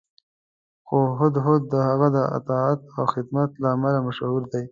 خو هدهد د هغه د اطاعت او خدمت له امله مشهور دی.